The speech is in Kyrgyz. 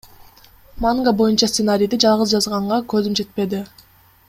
Манга боюнча сценарийди жалгыз жазганга көзүм жетпеди.